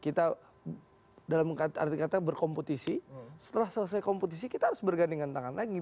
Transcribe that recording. kita dalam arti kata berkompetisi setelah selesai kompetisi kita harus bergandingan tangan lagi